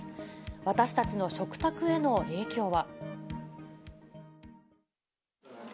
私たちの食卓への影響は。